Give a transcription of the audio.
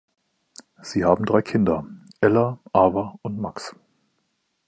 Sie haben drei Kinder - Ella, Ava und Max.